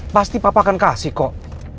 pasti papa akan kasih kok